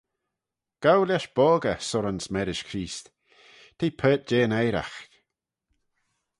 "Gow lesh boggey surrans marish Chreest; t'eh paart jeh yn eiraght."